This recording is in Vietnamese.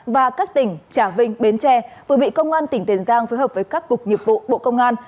và các tỉnh trà vinh bến tre vừa bị công an tỉnh tiền giang phối hợp với các cục nghiệp vụ bộ công an